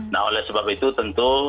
nah oleh sebab itu tentu